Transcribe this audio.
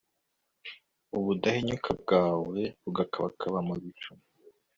ubudahinyuka bwawe bugakabakaba mu bicu